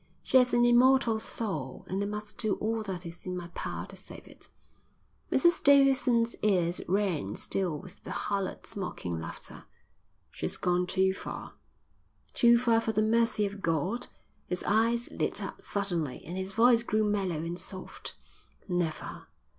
She has an immortal soul, and I must do all that is in my power to save it." Mrs Davidson's ears rang still with the harlot's mocking laughter. "She's gone too far." "Too far for the mercy of God?" His eyes lit up suddenly and his voice grew mellow and soft. "Never.